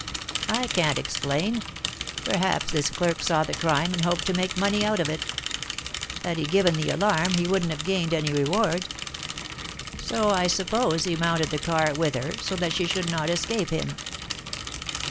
"I can't explain. Perhaps this clerk saw the crime and hoped to make money out of it. Had he given the alarm he wouldn't have gained any reward. So I suppose he mounted the car with her, so that she should not escape him."